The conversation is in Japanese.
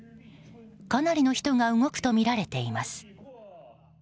かなりの人が動くとみられています。